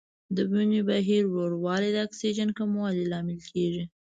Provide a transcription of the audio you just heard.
د وینې بهیر ورو والی د اکسیجن کموالي لامل کېږي.